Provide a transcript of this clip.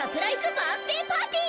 バースデーパーティー！